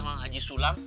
sama haji sulam